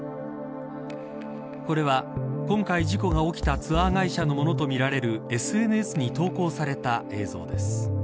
これは、今回事故が起きたツアー会社のものとみられるＳＮＳに投稿された映像です。